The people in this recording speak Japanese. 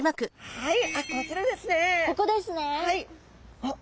はい。